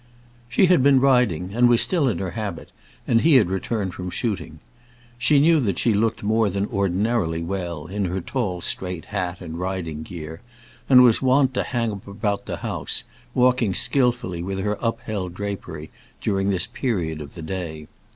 She had been riding and was still in her habit, and he had returned from shooting. She knew that she looked more than ordinarily well in her tall straight hat and riding gear, and was wont to hang about the house, walking skilfully with her upheld drapery, during this period of the day.